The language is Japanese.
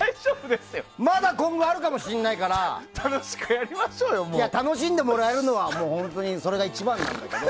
まだ今後があるかもしれないから楽しんでもらえるのはそれが一番なんだけど。